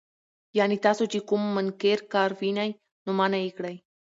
يعني تاسو چې کوم منکر کار ووينئ، نو منعه يې کړئ.